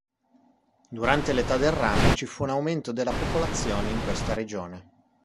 Durante l'Età del Rame ci fu un aumento della popolazione in questa regione.